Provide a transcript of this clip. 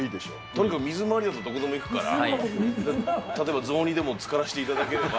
とにかく水回りだったらどこでも行くから、例えば雑煮でもつからせていただければ。